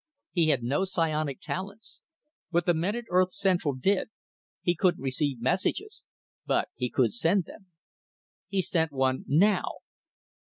He had no psionic talents, but the men at Earth Central did; he couldn't receive messages, but he could send them. He sent one now.